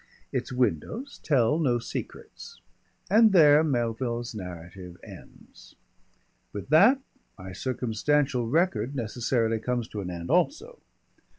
Its windows tell no secrets. And there Melville's narrative ends. With that my circumstantial record necessarily comes to an end also.